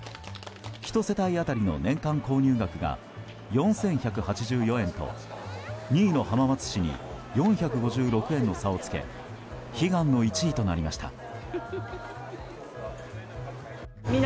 １世帯当たりの年間購入額が４１８４円と２位の浜松市に４５６円の差をつけ悲願の１位となりました。